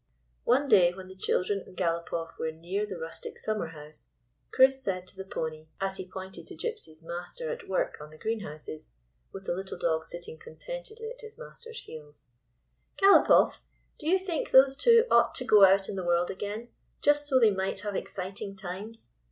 One day, when the children and Galopoff were near the rustic summer house, Chris said to the pony, as he pointed to Gypsy's master at 234 IN SAFE HARBOR work on the greenhouses, with the little dog sitting contentedly at his master's heels :" Galopoff, do you think those two ought to go out in the world again, just so they might have exciting times